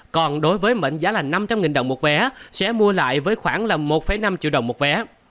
còn đối với mệnh giá là năm trăm linh đồng một vé sẽ mua lại với khoảng là một năm triệu đồng một vé